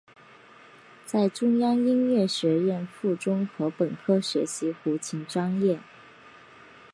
在中央音乐学院附中和本科学习胡琴专业。